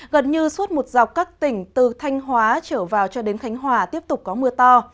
gần như suốt một dọc các tỉnh từ thanh hóa trở vào cho đến khánh hòa tiếp tục có mưa to